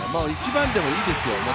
１番でもいいですよ。